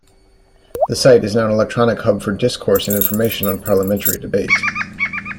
The site is now an electronic hub for discourse and information on parliamentary debate.